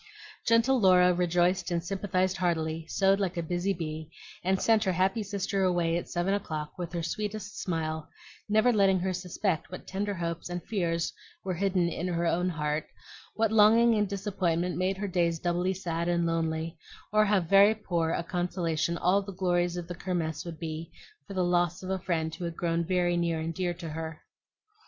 Gentle Laura rejoiced and sympathized heartily, sewed like a busy bee, and sent her happy sister away at seven o'clock with her sweetest smile, never letting her suspect what tender hopes and fears were hidden in her own heart, what longing and disappointment made her days doubly sad and lonely, or how very poor a consolation all the glories of the Kirmess would be for the loss of a friend who had grown very near and dear to her.